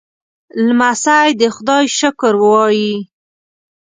لمسی د خدای شکر وايي.